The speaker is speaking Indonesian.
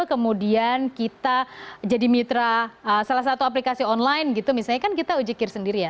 kemudian kita jadi mitra salah satu aplikasi online gitu misalnya kan kita ujikir sendiri ya